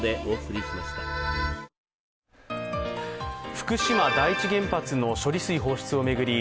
福島第一原発の処理水放出を巡り